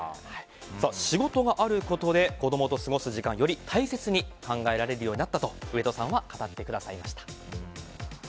仕事があることで子供と過ごす時間をより大切に考えられるようになったと上戸さんは語ってくださいました。